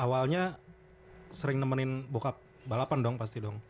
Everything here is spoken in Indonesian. awalnya sering nemenin bokap balapan dong pasti dong